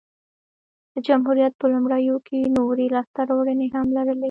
د جمهوریت په لومړیو کې نورې لاسته راوړنې هم لرلې